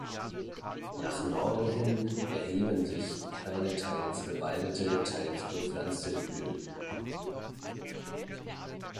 Nach Norden hin erheben sich kleine teils bewaldete, teils bepflanzte Hügel.